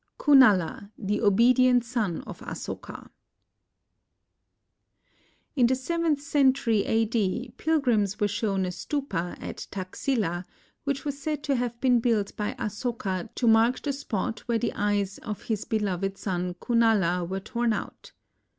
KUNALA, THE OBEDIENT SOX OF ASOKA In the seventh centur>' a.d. pilgrims were shown a stupa at Taxila, which was said to have been built by Asoka to mark the spot where the eyes of his beloved son Kunala were torn out.